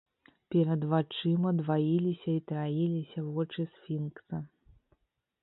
Перад вачыма дваіліся і траіліся вочы сфінкса.